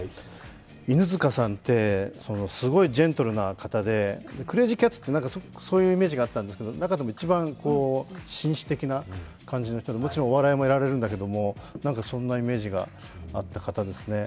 犬塚さんってすごいジェントルな方でクレイジーキャッツてそういうイメージがあったんですけれども、中でも一番紳士的な感じの人でもちろんお笑いもやられるんだけどそんなイメージがあった方ですね。